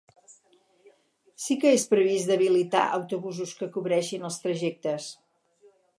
Sí que és previst d’habilitar autobusos que cobreixin els trajectes.